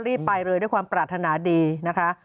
รีบไปเลยด้วยความปรารถนาดีนะคะ